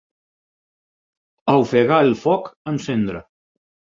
Ofegar el foc amb cendra.